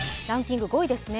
５位ですね